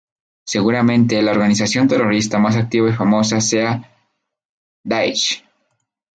Seguramente la organización terrorista más activa y famosa sea Daesh.